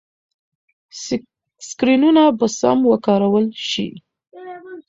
سکرینونه به سم وکارول شي.